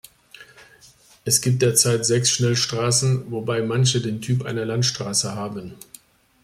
Es gibt derzeit sechs Schnellstraßen, wobei manche den Typ einer Landstraße haben.